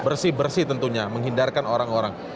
bersih bersih tentunya menghindarkan orang orang